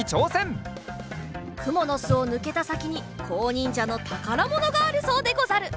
くものすをぬけたさきにこうにんじゃのたからものがあるそうでござる。